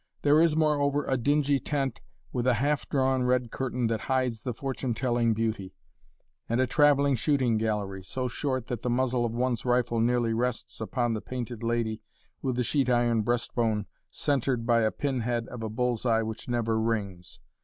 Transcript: There is, moreover, a dingy tent with a half drawn red curtain that hides the fortune telling beauty; and a traveling shooting gallery, so short that the muzzle of one's rifle nearly rests upon the painted lady with the sheet iron breastbone, centered by a pinhead of a bull's eye which never rings.